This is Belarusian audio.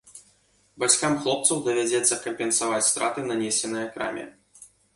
Бацькам хлопцам давядзецца кампенсаваць страты, нанесеныя краме.